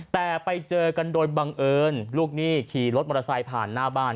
แต่ไปเจอกันโดยบังเอิญลูกหนี้ขี่รถมอเตอร์ไซค์ผ่านหน้าบ้าน